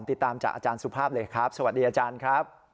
ติดตามจากอาจารย์สุภาพเลยครับสวัสดีอาจารย์ครับ